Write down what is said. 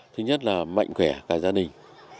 thứ nhất là mạnh khỏe cả gia đình